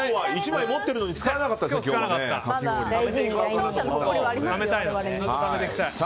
１枚持ってるのに今日使わなかったですね、かき氷。